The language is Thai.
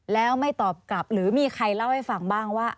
แล้วไม่ตอบกลับหรือมีใครเล่าให้ฟังบ้างว่า